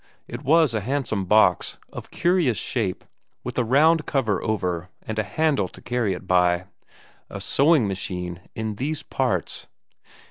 It was a handsome box, of curious shape, with a round cover over, and a handle to carry it by a sewing machine in these parts!